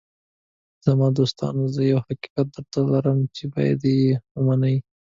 “زما دوستانو، زه یو حقیقت درته لرم چې باید یې ومنئ.